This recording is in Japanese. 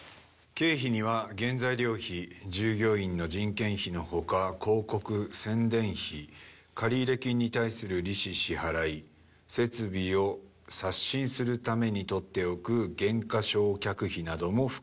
「経費には原材料費従業員の人件費の他広告・宣伝費借入金に対する利子支払い設備を刷新するために取っておく減価償却費なども含まれる」